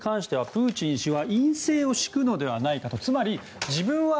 これに関してはプーチン氏は院政を敷くのではないかと。